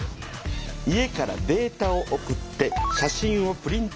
家からデータを送って写真をプリントアウトする。